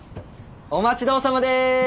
お待ち遠さまです！